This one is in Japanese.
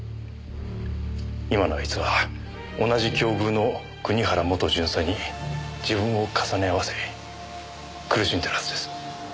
今のあいつは同じ境遇の国原元巡査に自分を重ね合わせ苦しんでるはずです。